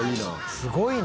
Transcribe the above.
すごいな。